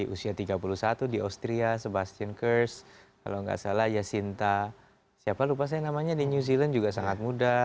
usia tiga puluh satu di austria sebastian kurz kalau tidak salah jacinta siapa lupa saya namanya di new zealand juga sangat muda